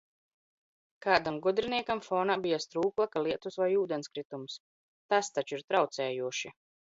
Kādam gudriniekam fonā bija strūklaka, lietus vai ūdenskritums! Tas taču ir traucējoši!